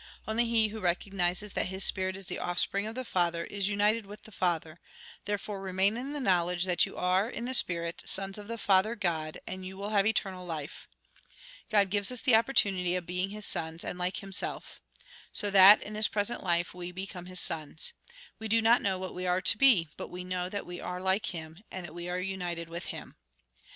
Only he who recognises that his spirit is the offspring of the Father, is united with the Father. Therefore remain in the knowledge that you are, in the spirit, sons of the Father, God, and you will have eternal life. God gives us the opportunity of being His sons, and like Himself. So that, in this present life, we become His sons. "We do not know what we are to be, but we know that we are like Him, and that we are united with Him.